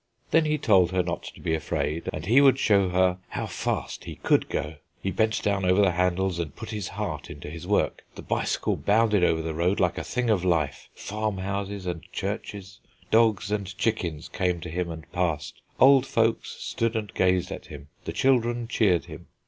Then he told her not to be afraid, and he would show her how fast he could go. He bent down over the handles, and put his heart into his work. The bicycle bounded over the road like a thing of life; farmhouses and churches, dogs and chickens came to him and passed. Old folks stood and gazed at him, the children cheered him.